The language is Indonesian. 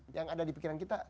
yang ada di pikiran kita